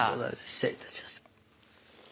失礼いたしました。